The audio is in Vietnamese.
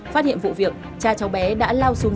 phát hiện vụ việc cha cháu bé đã lao xuống